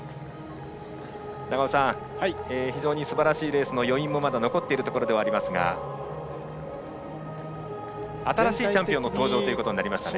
永尾さん、非常にすばらしいレースの余韻もまだ残っているところではありますが新しいチャンピオンの登場となりましたね。